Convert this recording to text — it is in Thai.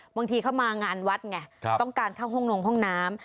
บางทีเข้ามางานวัดไงต้องการเข้าห้องนงห้องน้ำ